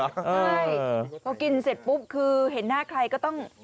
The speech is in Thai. ใช่พอกินเสร็จปุ๊บคือเห็นหน้าใครก็ต้อง